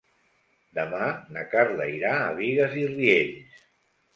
Demà na Carla irà a Bigues i Riells.